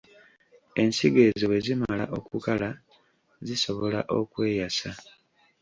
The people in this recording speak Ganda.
Ensigo ezo bwe zimala okukala, zisobola okweyasa.